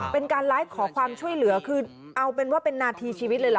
เป็นการไลฟ์ขอความช่วยเหลือคือเอาเป็นว่าเป็นนาทีชีวิตเลยเหรอ